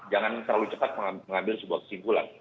jangan terlalu cepat mengambil sebuah kesimpulan